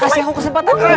kasih aku kesempatan